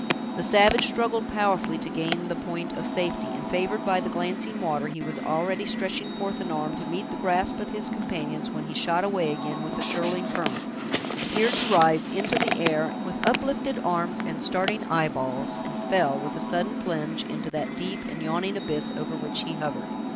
The savage struggled powerfully to gain the point of safety, and, favored by the glancing water, he was already stretching forth an arm to meet the grasp of his companions, when he shot away again with the shirling current, appeared to rise into the air, with uplifted arms and starting eyeballs, and fell, with a sudden plunge, into that deep and yawning abyss over which he hovered.